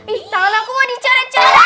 ih tangan aku mau dicara cara